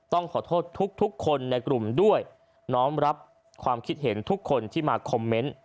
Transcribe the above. ต้องขอโทษทุกคนในกลุ่มด้วยน้อมรับความคิดเห็นทุกคนที่มาคอมเมนต์